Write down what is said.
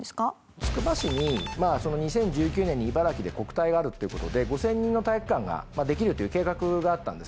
つくば市に２０１９年に茨城で国体があるという事で５０００人の体育館ができるという計画があったんですね。